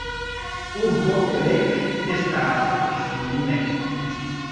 Urbo Elek estas proksime.